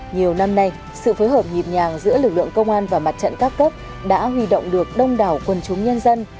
nhiều năm nay sự phối hợp nhịp nhàng giữa lực lượng công an và mặt trận các cấp đã huy động được đông đảo quân chúng nhân dân